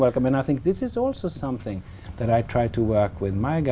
và cố gắng tìm được những gì thú vị nhất